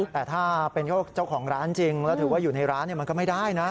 แต่ถ้าเป็นเจ้าของร้านจริงแล้วถือว่าอยู่ในร้านมันก็ไม่ได้นะ